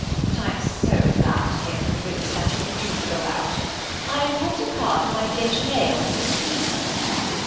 But I am so glad to hear from Willis that you do go out. I have brought a card for my déjeuner on the 16th."